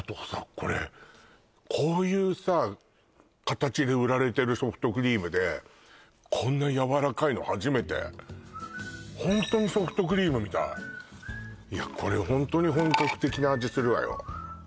これこういうさ形で売られてるソフトクリームでホントにソフトクリームみたいいやこれホントに本格的な味するわよ